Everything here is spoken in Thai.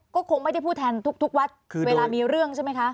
ก็คงไม่ได้พูดแทนทุกวัดเวลามีเรื่องใช่ไหมคะ